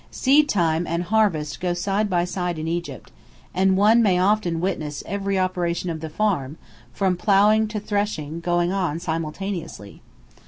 Seed time and harvest go side by side in Egypt, and one may often witness every operation of the farm, from ploughing to threshing, going on simultaneously.